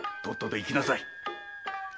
とっとと行きなさい。